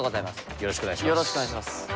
よろしくお願いします。